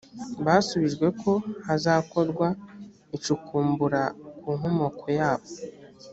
basubijwe ko hazakorwa icukumbura ku nkomoko yabo